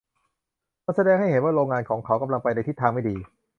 มันแสดงให้เห็นว่าโรงงานของเขากำลังไปในทิศทางไม่ดี